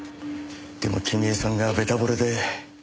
でも君江さんがべた惚れで。